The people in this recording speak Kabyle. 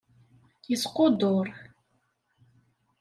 Yesquddur.